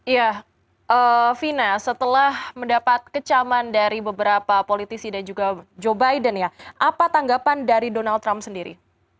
ya vina setelah mendapat kecaman dari beberapa politisi dan juga joe biden ya apa tanggapan dari donald trump sendiri